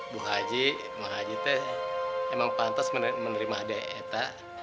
bu haji emang pantas menerima dek etak